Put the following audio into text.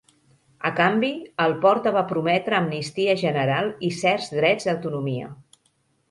A canvi, el Porta va prometre amnistia general i certs drets d'autonomia.